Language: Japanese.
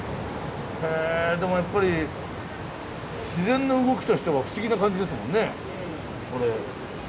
でもやっぱり自然の動きとしては不思議な感じですもんねこれ。